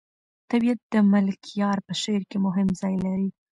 طبیعت د ملکیار په شعر کې مهم ځای لري.